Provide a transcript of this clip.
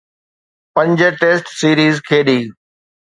پنج test series کيڏي.